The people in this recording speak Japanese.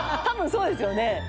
多分そうですよね？